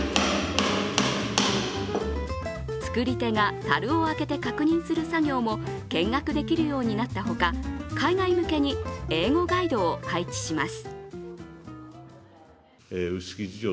作り手がたるを開けて確認する作業も見学できるようになったほか、海外向けに英語ガイドを配置します。